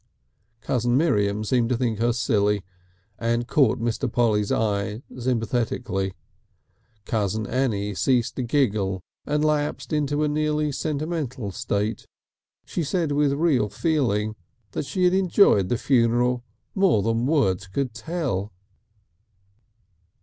Cousin Miriam seemed to think her silly, and caught Mr. Polly's eye sympathetically. Cousin Annie ceased to giggle and lapsed into a nearly sentimental state. She said with real feeling that she had enjoyed the funeral more than words could tell.